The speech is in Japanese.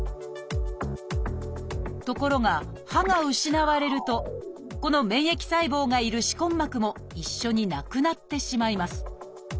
ところが歯が失われるとこの免疫細胞がいる歯根膜も一緒になくなってしまいます。